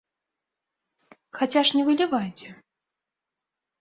Хаця ж не вылівайце!